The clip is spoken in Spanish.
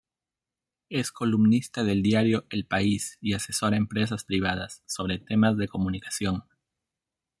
Es columnista del diario El País y asesora empresas privadas sobre temas de comunicación.